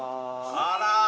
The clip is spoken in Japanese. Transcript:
あら！